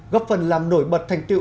góp phần làm nổi bật thành tiệu